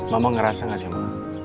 mama ngerasa gak sih pak